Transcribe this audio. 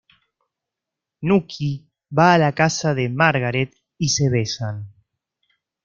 Nucky va a la casa de Margaret y se besan.